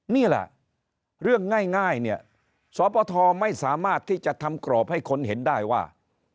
นี่แหละเรื่องง่ายเนี่ยสปทไม่สามารถที่จะทำกรอบให้คนเห็นได้ว่า